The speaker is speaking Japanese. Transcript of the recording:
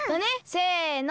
せの！